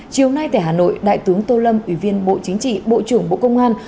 chiều nay tại hà nội đại tướng tô lâm ủy viên bộ chính trị bộ trưởng bộ công an